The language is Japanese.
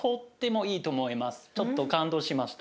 ちょっと感動しました。